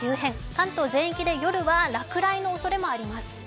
関東全域で、夜は落雷のおそれもあります。